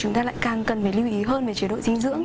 chúng ta lại càng cần phải lưu ý hơn về chế độ dinh dưỡng